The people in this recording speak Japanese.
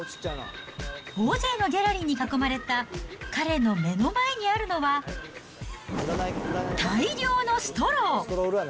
大勢のギャラリーに囲まれた、彼の目の前にあるのは、大量のストロー。